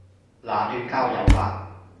冷血交友法